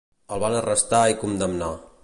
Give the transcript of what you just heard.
El van arrestar i condemnar.